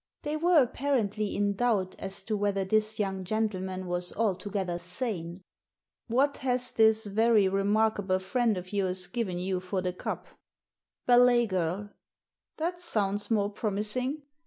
They were apparently in doubt as to whether this young gentle man was altogether sane. " What has this very re markable friend of yours given you for the Cup ?"« Ballet GirL" "That sounds more promising.